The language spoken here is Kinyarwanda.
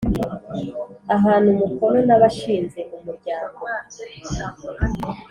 ahana umukono n abashinze umuryango